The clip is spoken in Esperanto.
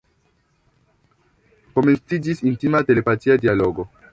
Komenciĝis intima telepatia dialogo.